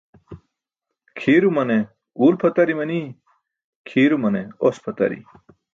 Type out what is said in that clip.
Kʰiirumane uwl pʰatari manii, kʰiirumane os pʰatari.